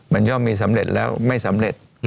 มันย่อมมีสำเร็จแล้วไม่สำเร็จ